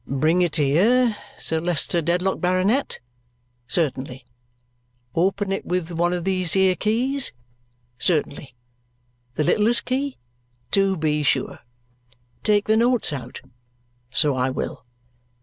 "Bring it here, Sir Leicester Dedlock, Baronet? Certainly. Open it with one of these here keys? Certainly. The littlest key? TO be sure. Take the notes out? So I will.